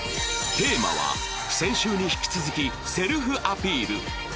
テーマは先週に引き続きセルフアピール